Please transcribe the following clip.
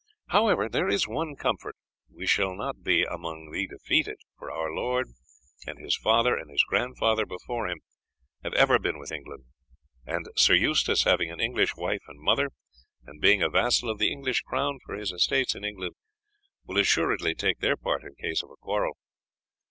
However, there is one comfort, we shall not be among the defeated; for our lord, and his father and his grandfather before, him, have ever been with England, and Sir Eustace, having an English wife and mother, and being a vassal of the English crown for his estates in England, will assuredly take their part in case of a quarrel.